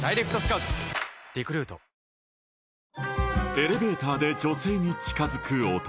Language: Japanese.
エレベーターで女性に近づく男